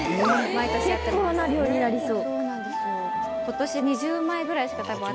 結構な量になりそう。